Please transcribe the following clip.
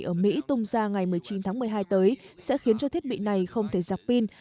ở mỹ tung ra ngày một mươi chín tháng một mươi hai tới sẽ khiến cho thiết bị này không thể giạc pin